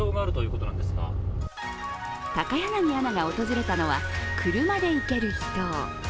高柳アナが訪れたのは車で行ける秘湯。